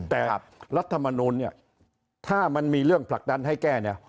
แต่รัฐมนูลเนี่ยถ้ามันมีเรื่องผลักดันให้แก้เนี่ย